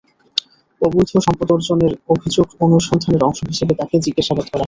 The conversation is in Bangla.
অবৈধ সম্পদ অর্জনের অভিযোগ অনুসন্ধানের অংশ হিসেবে তাঁকে জিজ্ঞাসাবাদ করা হয়।